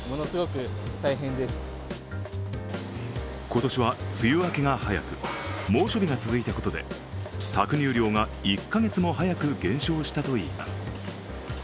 今年は梅雨明けが早く猛暑日が続いたことで搾乳量が１カ月も早く減少したといいます。